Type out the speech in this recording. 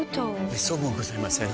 めっそうもございません。